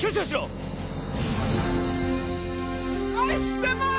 「愛してます」